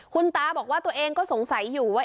คุณตาบอกว่าตัวเองก็สงสัยอยู่ว่า